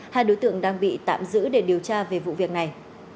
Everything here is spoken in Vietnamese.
hai đối tượng đang bị tạm giữ để điều tra về vụ việc này